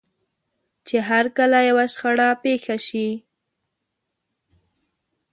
چې کله يوه شخړه پېښه شي.